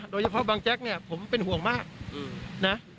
โดยเฉพาะบางแจ็คเนี่ยผมเป็นห่วงมากนะ